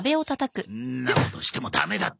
んなことしてもダメだって。